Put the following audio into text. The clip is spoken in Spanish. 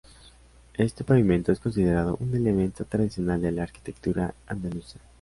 Este pavimento es considerado un elemento tradicional de la arquitectura andaluza.